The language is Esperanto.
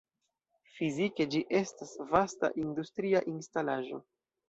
Fizike ĝi estas vasta industria instalaĵo.